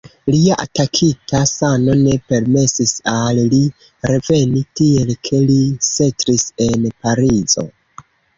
Lia atakita sano ne permesis al li reveni, tiel ke li setlis en Parizo.